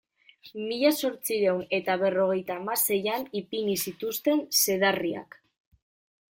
Mila zortziehun eta berrogeita hamaseian ipini zituzten zedarriak.